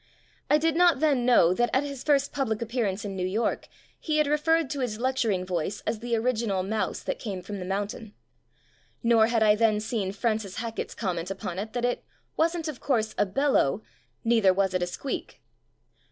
I did not then know that at his first public appearance in New York he had re ferred to his lecturing voice as the original mouse that came from the mountain. Nor had I then seen Fran cis Hackett's comment upon it that "it wasn't, of course, a beUow. Neither was it a squeak".